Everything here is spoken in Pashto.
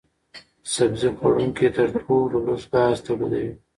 سبزي خوړونکي تر ټولو لږ ګاز تولیدوي.